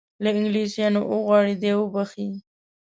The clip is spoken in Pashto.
له انګلیسیانو وغواړي دی وبخښي.